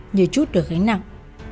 nhiều chút được gánh nặng